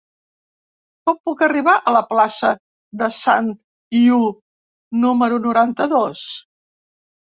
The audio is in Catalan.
Com puc arribar a la plaça de Sant Iu número noranta-dos?